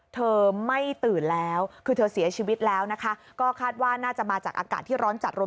เธอไม่ตื่นแล้วคือเธอเสียชีวิตแล้วนะคะก็คาดว่าน่าจะมาจากอากาศที่ร้อนจัดรวม